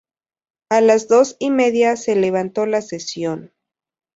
A las dos y media se levantó la sesión.